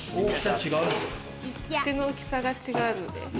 口の大きさが違うので。